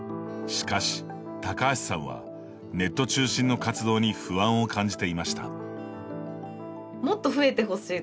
しかし、高橋さんはネット中心の活動に不安を感じていました。